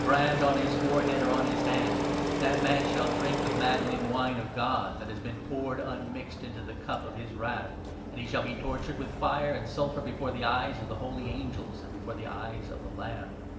513 brand on his forehead or on his hand, that man shall drink 10 the maddening wine of God that has been poured unmixed into the cup of his Wrath, and he shall be tortured with fire and sulphur before the eyes of the holy angels and before the eyes of the Lamb.